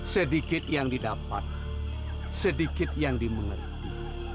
sedikit yang didapat sedikit yang dimengerti